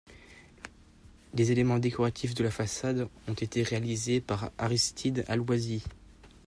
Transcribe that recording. Les éléments décoratifs de la façade ont été réalisés par Aristide Aloisi.